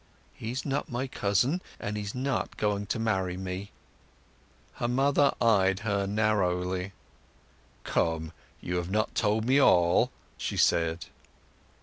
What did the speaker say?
"He's not my cousin, and he's not going to marry me." Her mother eyed her narrowly. "Come, you have not told me all," she said.